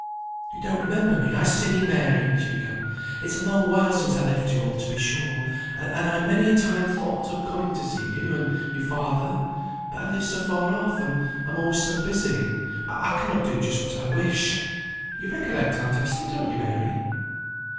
"You don't remember me I see, Mary!" she began. "It's a long while since I left you all, to be sure; and I, many a time, thought of coming to see you, and and your father. But I live so far off, and am always so busy, I cannot do just what I wish. You recollect aunt Esther, don't you, Mary?"